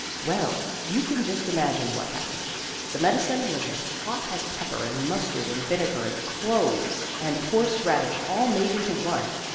Well, you can just imagine what happened. The medicine was as hot as pepper and mustard and vinegar and cloves and horse radish all made into one!